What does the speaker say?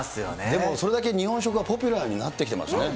でも、それだけ日本食がポピュラーになってきてますよね。